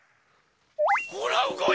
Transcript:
ほらうごいた！